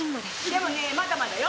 でもねまだまだよ。